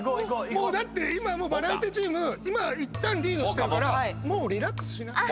だってバラエティチーム今いったんリードしてるからもうリラックスしな。